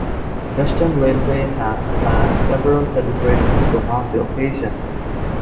Western Railway has planned several celebrations to mark the occasion.